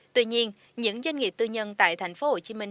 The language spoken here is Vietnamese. tuy nhiên những doanh nghiệp tư nhân tại thành phố hồ chí minh